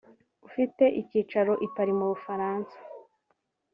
ufite icyicaro i Paris mu Bufaransa